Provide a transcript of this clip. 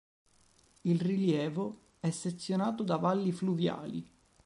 Il rilievo è sezionato da valli fluviali.